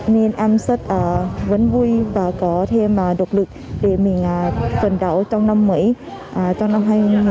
nên em rất vấn vui và có thêm độc lực để mình phần đảo trong năm mới trong năm hai nghìn hai mươi hai